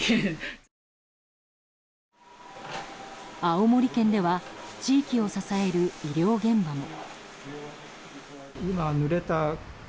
青森県では地域を支える医療現場も。